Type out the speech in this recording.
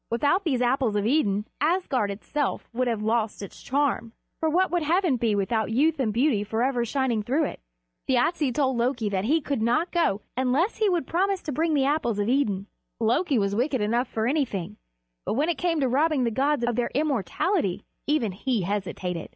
Without these Apples of Idun, Asgard itself would have lost its charm; for what would heaven be without youth and beauty forever shining through it? Thjasse told Loki that he could not go unless he would promise to bring the Apples of Idun. Loki was wicked enough for anything; but when it came to robbing the gods of their immortality, even he hesitated.